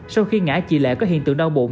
sau khi ngã chị lệ có hiện tượng đau bụng